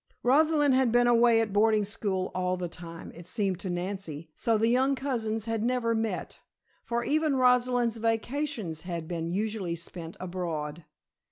Rosalind had been away at boarding school all the time, it seemed to Nancy, so the young cousins had never met, for even Rosalind's vacations had been usually spent abroad.